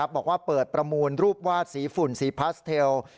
บอกว่าเปิดประมูลรูปวาดสีฝุ่นสีพาสเทล